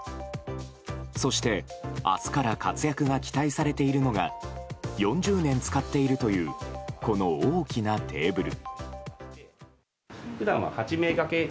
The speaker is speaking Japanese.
そして、明日から活躍が期待されているのが４０年使っているというこの大きなテーブル。